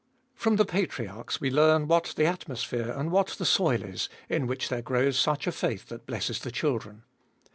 From the patriarchs we learn what the atmosphere and what the soil is in which there grows such a faith that blesses the children.